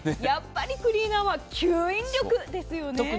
やっぱりクリーナーは吸引力ですよね。